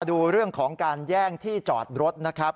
ดูเรื่องของการแย่งที่จอดรถนะครับ